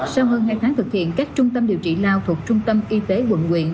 sau hơn hai tháng thực hiện các trung tâm điều trị lao thuộc trung tâm y tế quận quyện